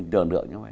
đường lượng như vậy